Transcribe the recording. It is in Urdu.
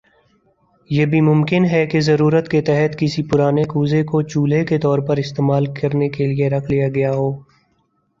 یہ بھی ممکن ہے کہ ضرورت کے تحت کسی پرانے کوزے کو چولہے کے طور پر استعمال کرنے کے لئے رکھ لیا گیا ہو